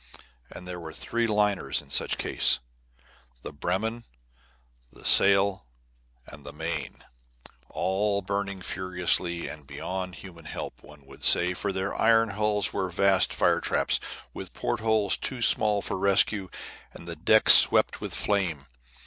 And here were three liners in such case, the Bremen, the Saale, and the Main, all burning furiously and beyond human help, one would say, for their iron hulls were vast fire traps, with port holes too small for rescue, and the decks swept with flame.